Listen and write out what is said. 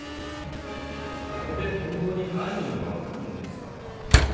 これで本当に犯人が分かるんですか？